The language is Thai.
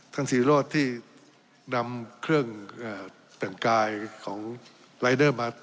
ท่านศิริโรธที่นำเครื่องอ่าเปลี่ยนกายของมานั่น